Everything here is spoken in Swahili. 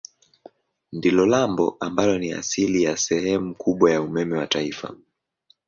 Ndilo lambo ambalo ni asili ya sehemu kubwa ya umeme wa taifa.